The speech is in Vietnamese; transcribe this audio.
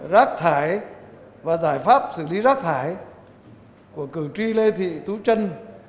rác thải và giải pháp xử lý rác thải của cử tri lê thị tú trân